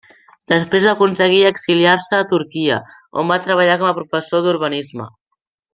Després va aconseguir exiliar-se a Turquia, on va treballar com a professor d'urbanisme.